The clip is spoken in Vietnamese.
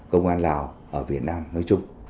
công an lào ở việt nam nói chung